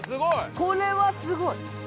これすごい！